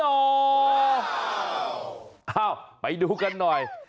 เอ้าไปดูกันหน่อย